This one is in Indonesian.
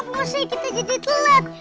kamu sih kita jadi telat